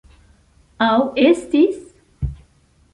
Aŭ estis?